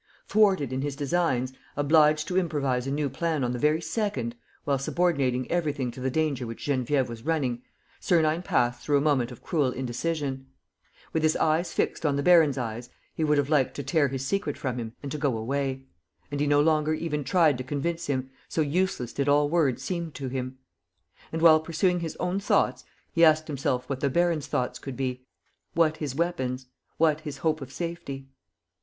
Thwarted in his designs, obliged to improvise a new plan on the very second, while subordinating everything to the danger which Geneviève was running, Sernine passed through a moment of cruel indecision. With his eyes fixed on the baron's eyes, he would have liked to tear his secret from him and to go away; and he no longer even tried to convince him, so useless did all words seem to him. And, while pursuing his own thoughts, he asked himself what the baron's thoughts could be, what his weapons, what his hope of safety?